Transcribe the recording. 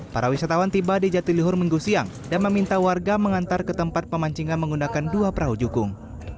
para wisatawan tiba di jatiluhur minggu siang dan meminta warga mengantar ke tempat pemancingan menggunakan dua perahu jukung